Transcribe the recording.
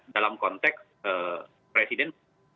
dalam konteks presiden